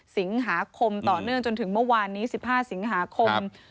สิงหาคมต่อเนื่องจนถึงเมื่อวานนี้๑๕สิงหาคม